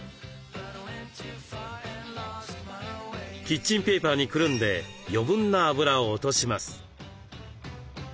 キッチンペーパーにくるんで余分な油を落とします。